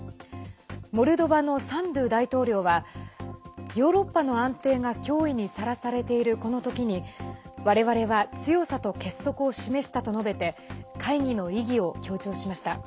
モルドバのサンドゥ大統領はヨーロッパの安定が脅威にさらされているこの時に我々は強さと結束を示したと述べて会議の意義を強調しました。